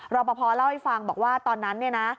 รอบพอร์เล่าให้ฟังบอกว่าตอนนั้น